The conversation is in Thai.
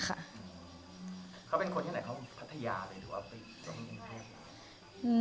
เขาเป็นคนที่ไหนเขาอยู่พัทยาหรือเปลี่ยนทุกวัน